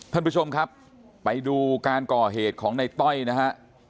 ท่านผู้ชมครับไปดูการก่อเหตุของในต้อยนะฮะ